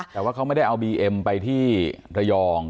แต่ว่าเขาไม่ได้เอาบีเอ็มไปที่ระยอง